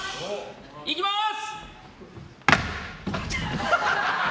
いきます！